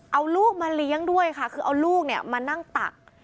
เอาลูกมาเลี้ยงด้วยค่ะคือเอาลูกเนี่ยมานั่งตัก